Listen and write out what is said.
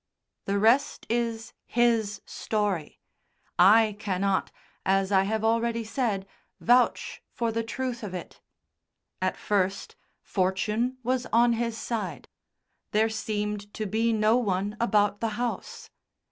The rest is his story. I cannot, as I have already said, vouch for the truth of it. At first, fortune was on his side. There seemed to be no one about the house.